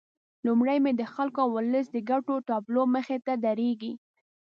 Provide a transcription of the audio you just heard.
لومړی مې د خلکو او ولس د ګټو تابلو مخې ته درېږي.